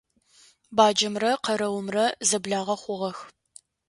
Баджэмрэ къэрэумрэ зэблагъэ хъугъэх.